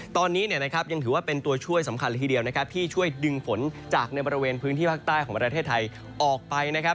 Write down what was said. ตอนนี้ยังถือว่าเป็นตัวช่วยสำคัญทีเดียวที่ช่วยดึงฝนจากในบริเวณพื้นที่ภาคใต้ของประเทศไทยออกไปนะครับ